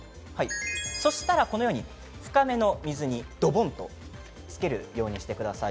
そうしたら深めの水にドボンとつけるようにしてください。